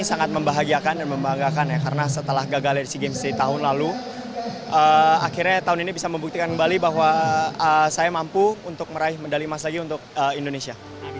sangat membahagiakan dan membanggakan ya karena setelah gagal dari sea games di tahun lalu akhirnya tahun ini bisa membuktikan kembali bahwa saya mampu untuk meraih medali emas lagi untuk indonesia